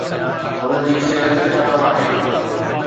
هن جي صحت خراب آهي